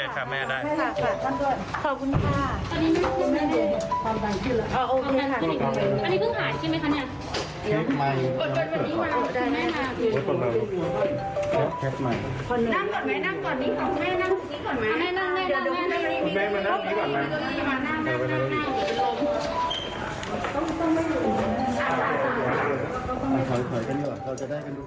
กดเลย